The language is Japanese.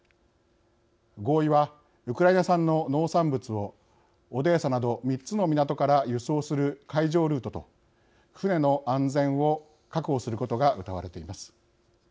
合意はウクライナ産の農産物をオデーサなど３つの港から輸送する海上ルートと船の安全を確保することがうたわれています。